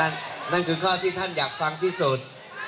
นั่นคือข้อที่ท่านอยากฟังที่สุด